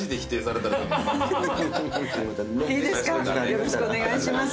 よろしくお願いします。